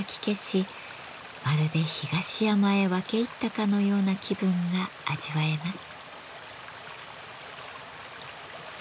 まるで東山へ分け入ったかのような気分が味わえます。